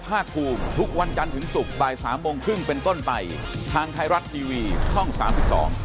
พบกันใหม่พรุ่งนี้บ่ายสามครึ่งครับสวัสดีครับ